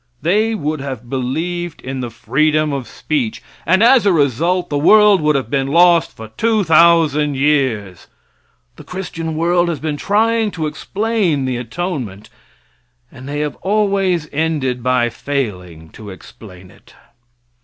They would have believed in the freedom of speech, and as a result the world would have been lost for two thousand years. The Christian world has been trying to explain the atonement, and they have always ended by failing to explain it.